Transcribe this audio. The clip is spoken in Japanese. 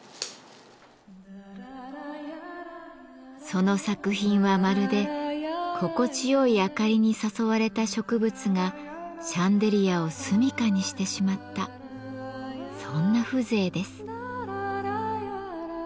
その作品はまるで心地よい明かりに誘われた植物がシャンデリアを住みかにしてしまったそんな風情です。